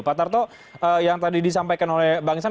pak tarto yang tadi disampaikan oleh bang isan